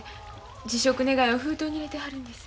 辞職願を封筒に入れてはるんです。